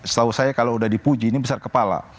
setahu saya kalau udah dipuji ini besar kepala